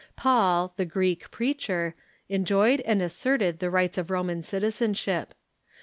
Paul, the Greek preacher, enjoyed and asserted the rights of Roman citizen ship.